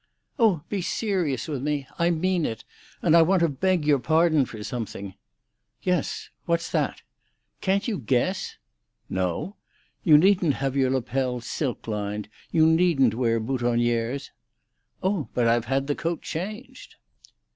"Oh, be serious with me. I mean it. And I want to beg your pardon for something." "Yes; what's that?" "Can't you guess?" "No." "You needn't have your lapels silk lined. You needn't wear boutonnières." "Oh, but I've had the coat changed."